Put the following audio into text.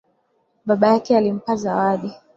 Baba yake alimpa zawadi.